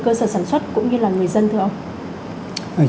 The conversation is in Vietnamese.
cơ sở sản xuất cũng như là người dân thưa ông